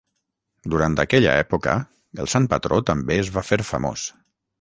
Durant aquella època, el sant patró també es va fer famós.